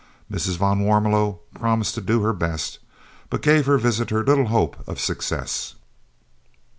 Mrs. van Warmelo promised to do her best, but gave her visitor little hope of success.